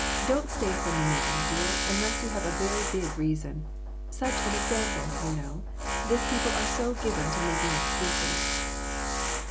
Don't stay from the meet ing, dear, unless you have a very big reason. Such an example, you know; this people are so given to making excuses."